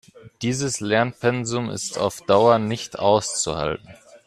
Dieses Lernpensum ist auf Dauer nicht auszuhalten.